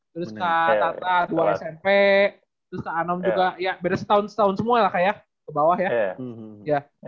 terus kak tata dua smp terus kak anom juga ya beres setahun setahun semua lah kak ya ke bawah ya